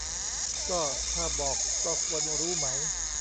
ก็ถ้าบอกก็ควรรู้ไหม